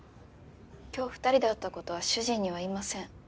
今日２人で会ったことは主人には言いません。